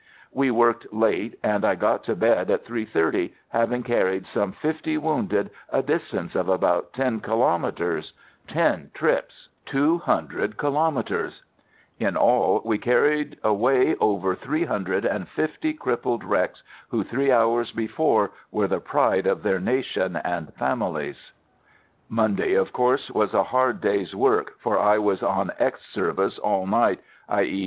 We worked late and I got to bed at three thirty, having carried some fifty wounded a distance of about ten kilometres — ten trips — two DECORATIONS FOR "THE 4TH AT HEADQUARTERS FIELD SERVICE 45 hundred kilometres! In all we carried away over three hundred and fifty crip pled wrecks who three hours before were the pride of their nation and families ! Monday, of course, was a hard day's work, for I was on X service all night (i.e.